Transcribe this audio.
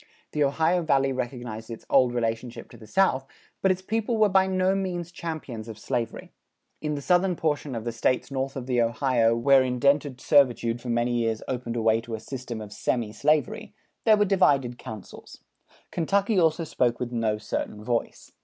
The Ohio Valley recognized its old relationship to the South, but its people were by no means champions of slavery. In the southern portion of the States north of the Ohio where indented servitude for many years opened a way to a system of semi slavery, there were divided counsels. Kentucky also spoke with no certain voice.